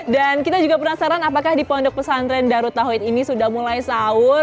dan kita juga penasaran apakah di pondok pesantren darut tauhid ini sudah mulai sahur